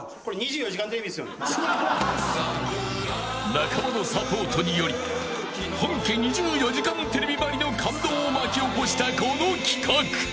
仲間のサポートにより本家２４時間テレビばりの感動を巻き起こした、この企画。